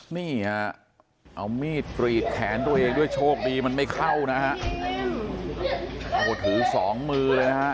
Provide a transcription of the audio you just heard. นี่เอามีดปรีดแขนตัวเองด้วยโชคดีมันไม่เข้านะเขาถือ๒มือ